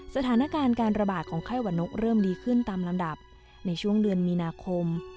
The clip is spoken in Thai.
สถานการณ์การระบาดของไข้หวัดนกเริ่มดีขึ้นตามลำดับในช่วงเดือนมีนาคม